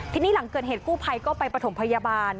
ทีนี้หลังเกิดเหตุกู้ภัยก็ไปประถมพยาบาล